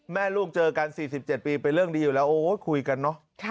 แม่ลูกเจอกัน๔๗ปีเป็นเรื่องดีอยู่แล้วโอ้ยคุยกันเนอะ